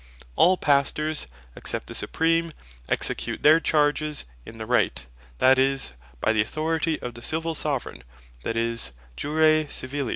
All Pastors, except the Supreme, execute their charges in the Right, that is by the Authority of the Civill Soveraign, that is, Jure Civili.